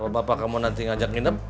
bapak kamu nanti ngajak nginep